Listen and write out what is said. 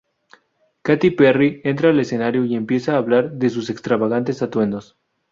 Katy Perry entra al escenario y empieza a hablar de sus extravagantes atuendos.